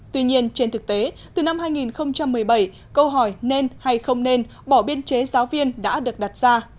tuy nhiên trên thực tế từ năm hai nghìn một mươi bảy câu hỏi nên hay không nên bỏ biên chế giáo viên đã được đặt ra